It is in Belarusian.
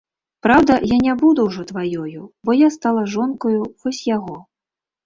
Праўда, я не буду ўжо тваёю, бо я стала жонкаю вось яго.